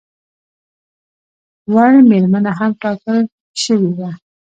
وړ مېرمنه هم ټاکل شوې وه.